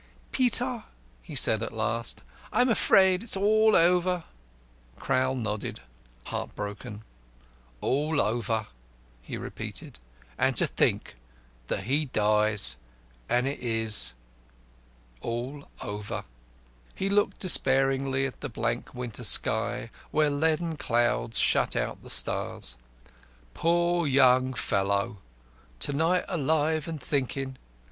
"Peter," he said at last, "I'm afraid it's all over." Crowl nodded, heart broken. "All over!" he repeated, "and to think that he dies and it is all over!" He looked despairingly at the blank winter sky, where leaden clouds shut out the stars. "Poor, poor young fellow! To night alive and thinking.